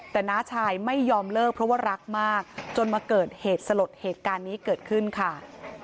แต่น้าชายไม่ยอมเลิกเพราะว่ารักมากจนมาเกิดเหตุสลดเหตุการณ์นี้เกิดขึ้นค่ะ